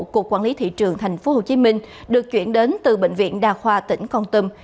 của quản lý thị trường tp hcm được chuyển đến từ bệnh viện đà khoa tỉnh con tâm